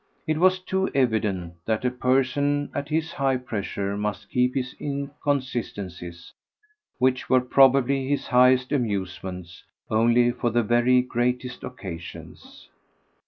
It was too evident that a person at his high pressure must keep his inconsistencies, which were probably his highest amusements, only for the very greatest occasions.